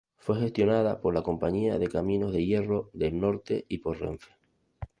Fue gestionada por la Compañía de Caminos de Hierro del Norte y por Renfe.